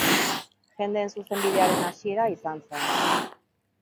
Jendeen Zuzenbidearen hasiera izan zen.